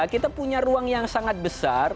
kita punya ruang yang sangat besar